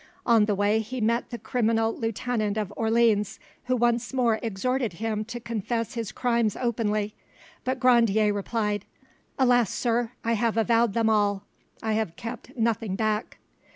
On the way he met the criminal lieutenant of Orleans, who once more exhorted him to confess his crimes openly; but Grandier replied— "Alas, sir, I have avowed them all; I have kept nothing back."